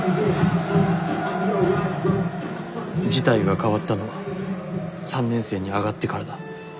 「事態が変わったのは３年生に上がってからだ。